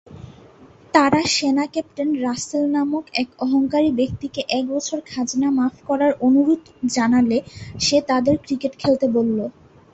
তারা সেনা captain Russell নামক এক অহংকারী ব্যক্তিকে এক বছর খাজনা মাফ করার অনুরোধ জানালে সে তাদেরকে ক্রিকেট খেলতে বলে।